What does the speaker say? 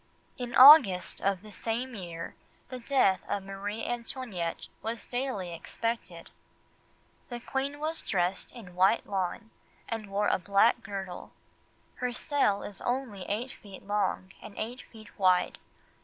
In August of the same year, the death of Marie Antoinette was daily expected. "The queen was dressed in white lawn and wore a black girdle ... her cell is only eight feet long, and eight feet wide.